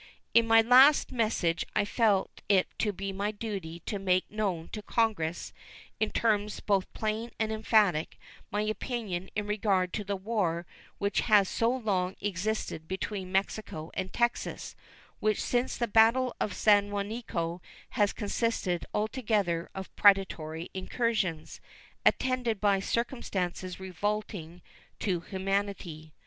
In my last annual message I felt it to be my duty to make known to Congress, in terms both plain and emphatic, my opinion in regard to the war which has so long existed between Mexico and Texas which since the battle of San Jacinto has consisted altogether of predatory incursions, attended by circumstances revolting to humanity.